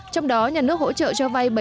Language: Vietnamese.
trong đó nhà nước hỗ trợ cho bà con ngư dân